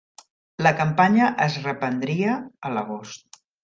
La campanya es reprendria a l'agost.